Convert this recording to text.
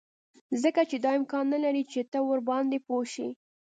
ځکه چې دا امکان نلري چې ته ورباندې پوه شې